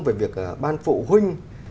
về việc ban phụ huynh